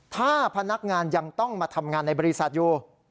ถ้าพนักงานยังต้องมาทำงานในบริษัทอยู่